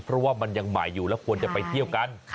เพราะว่ามันยังใหม่อยู่แล้วควรจะไปเที่ยวกัน